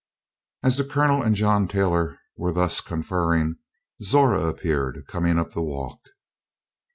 As the Colonel and John Taylor were thus conferring, Zora appeared, coming up the walk.